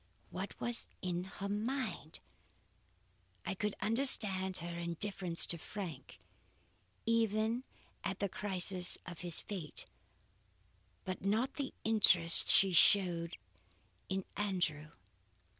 What was in her mind? I could understand her indifference to Frank even at the crisis of his fate, but not the interest she showed in Andrew.